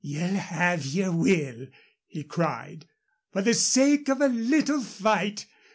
"Ye'll have your will," he cried, "for the sake of a little fight.